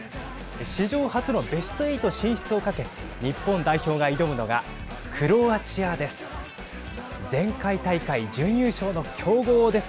史上初のベスト８進出をかけ日本代表が挑むのがクロアチアです。